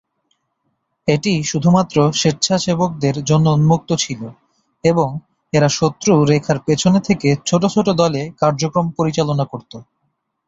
এটি শুধুমাত্র স্বেচ্ছাসেবকদের জন্য উন্মুক্ত ছিল এবং এরা শত্রু রেখার পেছনে থেকে ছোট ছোট দলে কার্যক্রম পরিচালনা করত।